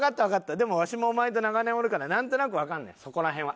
でもわしもお前と長年おるからなんとなくわかんねんそこら辺は。